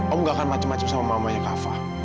om ga akan macem macem sama mamanya kava